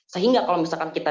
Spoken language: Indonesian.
sehingga kalau misalkan kita